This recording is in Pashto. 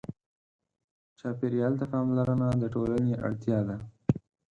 چاپېریال ته پاملرنه د ټولنې اړتیا ده.